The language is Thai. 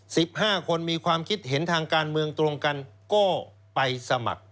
สิบห้าคนมีความคิดเห็นทางการเมืองตรงกันก็ไปสมัคร